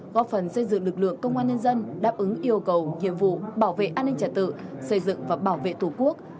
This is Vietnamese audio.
góp phần xây dựng lực lượng công an nhân dân đáp ứng yêu cầu nhiệm vụ bảo vệ an ninh trật tự xây dựng và bảo vệ tổ quốc